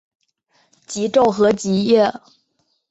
极昼和极夜。